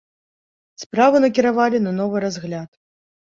Справу накіравалі на новы разгляд.